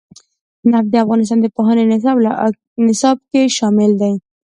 نفت د افغانستان د پوهنې نصاب کې شامل دي.